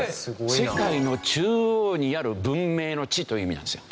世界の中央にある文明の地という意味なんですよ。